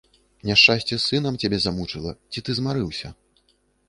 Няшчасце з сынам цябе замучыла, ці ты змарыўся?